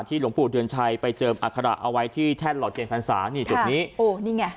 หลวงปู่เดือนชัยไปเจิมอัคระเอาไว้ที่แท่นหลอดเทียนพรรษานี่จุดนี้โอ้นี่ไง